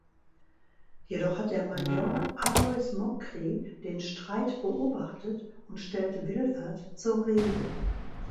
Jedoch hat der Major Aloys Mokry den Streit beobachtet und stellt Wilfert zur Rede.